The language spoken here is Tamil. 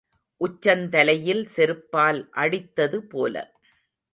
உச்சந் தலையில் செருப்பால் அடித்தது போல.